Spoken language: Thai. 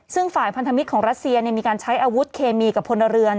ซึ่งฝ่ายพันธมิตรของรัสเซียมีการใช้อาวุธเคมีกับพลเรือน